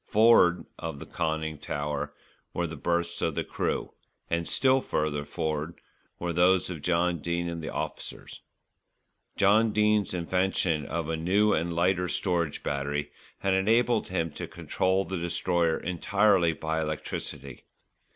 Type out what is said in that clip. For'ard of the conning tower were the berths of the crew, and still further for'ard were those of John Dene and the officers. John Dene's invention of a new and lighter storage battery had enabled him to control the Destroyer entirely by electricity.